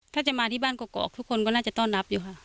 ถ้าจะมาที่บ้านกรอกทุกคนก็น่าจะต้อนรับอยู่ค่ะ